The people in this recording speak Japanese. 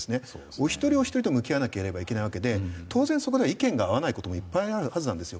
お一人お一人と向き合わなければいけないわけで当然、そこでは意見が合わないこともいっぱいあるはずなんです。